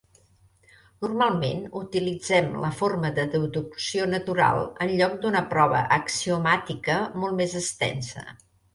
Normalment utilitzem la forma de deducció natural en lloc d'una prova axiomàtica molt més extensa.